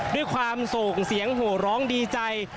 ด้วยความส่งเสียงโหร้องดีใจ